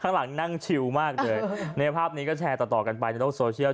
ข้างหลังนั่งชิวมากเลยในภาพนี้ก็แชร์ต่อต่อกันไปในโลกโซเชียล